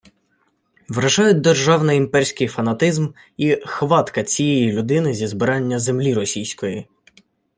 Вражають державний імперський фанатизм і «хватка» цієї людини зі «збирання землі російської»